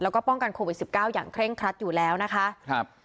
แล้วก็ป้องกันโควิด๑๙อย่างเคร่งครัดอยู่แล้วนะคะครับ